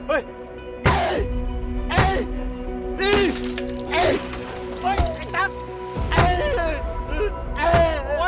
ไอ้ตั๊ก